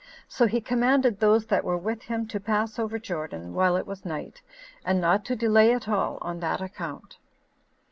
So he commanded those that were with him to pass over Jordan while it was night, and not to delay at all on that account.